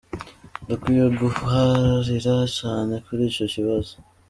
"Dukwiye guharira cane kuri ico kibazo.